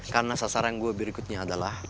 karena sasaran gue berikutnya adalah